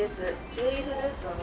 キウイフルーツをね